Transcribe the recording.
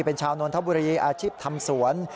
เป็นชาวนนทบุรีอาชีพทำสวน